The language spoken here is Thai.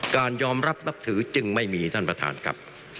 การยอมรับนับถือจึงไม่มีท่านประธานครับ